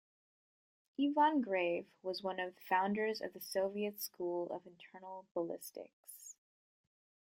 Ivan Grave was one of the founders of the Soviet school of internal ballistics.